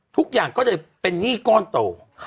ทุกอย่างก็เลยเป็นหนี้ก้อนโต